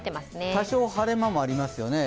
多少晴れ間もありますよね。